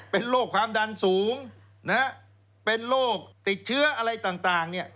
เป็นโรคความดันสูงเป็นโรคติดเชื้ออะไรต่าง